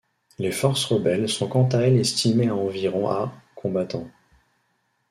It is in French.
Les forces rebelles sont quant à elles estimées à environ à combattants.